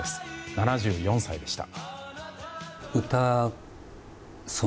７４歳でした。